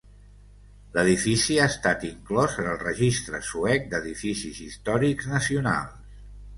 L'edifici ha estat inclòs en el registre suec d'edificis històrics nacionals.